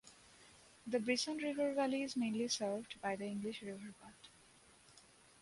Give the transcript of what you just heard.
The Brisson river valley is mainly served by the English river path.